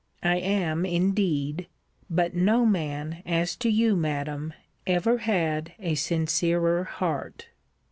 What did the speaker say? I am indeed but no man, as to you, Madam, ever had a sincerer heart.